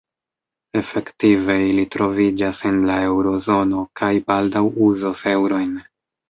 Efektive ili troviĝas en la eŭro-zono kaj baldaŭ uzos eŭrojn.